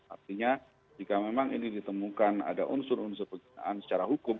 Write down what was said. artinya jika memang ini ditemukan ada unsur unsur pencintaan secara hukum